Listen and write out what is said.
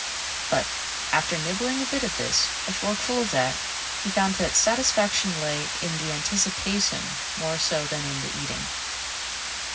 But, after nibbling a bit of this, a forkful of that, he found that satisfaction lay in the anticipation more so than in the eating.